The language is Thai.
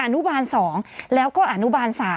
อนุบาล๒แล้วก็อนุบาล๓